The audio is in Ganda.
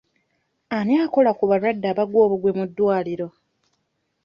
Ani akola ku balwadde abagwa obugwi mu ddwaliro?